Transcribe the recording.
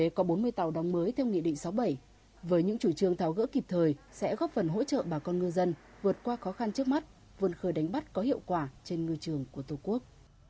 tàu có bốn mươi tàu đóng mới theo nghị định sáu bảy với những chủ trương tháo gỡ kịp thời sẽ góp phần hỗ trợ bà con ngư dân vượt qua khó khăn trước mắt vươn khơi đánh bắt có hiệu quả trên ngư trường của tổ quốc